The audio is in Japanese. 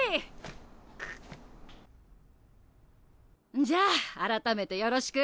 んじゃ改めてよろしく。